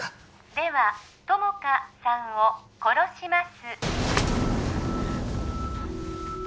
では友果さんを殺します